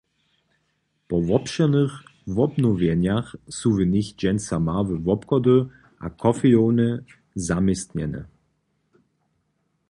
Po wobšěrnych wobnowjenjach su w nich dźensa małe wobchody a kofejownje zaměstnjene.